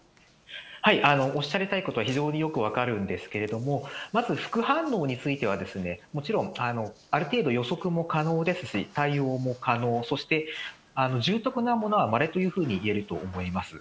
おっしゃりたいことは非常によく分かるんですけれども、まず副反応については、もちろんある程度、予測も可能ですし、対応も可能、そして重篤なものはまれというふうにいえると思います。